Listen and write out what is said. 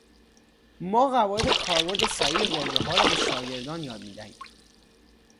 ما قواعد کاربرد صحیح واژهها را به شاگردان یاد میدهیم.